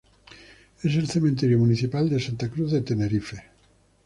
Es el cementerio municipal de Santa Cruz de Tenerife.